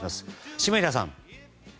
下平さん。